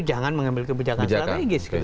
jangan mengambil kebijakan strategis